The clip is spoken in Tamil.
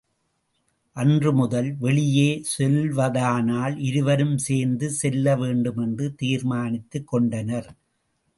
அன்று முதல் வெளியே செல்வதானால் இருவரும் சேர்ந்து செல்லவேண்டும் என்று தீர்மானித்துக்கொண்டனர்.